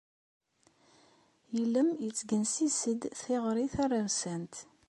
Ilem yettgensis-d tiɣri tarawsant.